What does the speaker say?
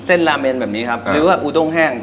อีกว่าอูโด้งแห้ง